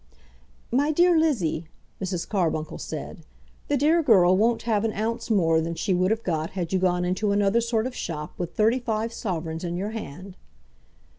"My dear Lizzie," Mrs. Carbuncle said, "the dear girl won't have an ounce more than she would have got, had you gone into another sort of shop with thirty five sovereigns in your hand."